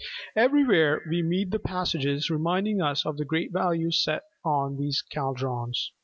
Everywhere we meet with passages reminding us of the great value set on these caldrons.